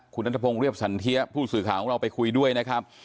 คุณนัทพงศ์เรียบสันเทียผู้สื่อข่าวของเราไปคุยด้วยนะครับ